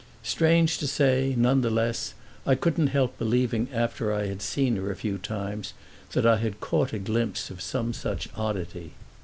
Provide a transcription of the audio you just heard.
Strange to say, none the less, I couldn't help believing after I had seen her a few times that I caught a glimpse of some such oddity.